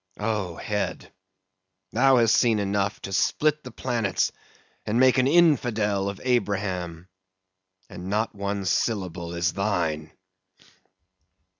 O head! thou hast seen enough to split the planets and make an infidel of Abraham, and not one syllable is thine!"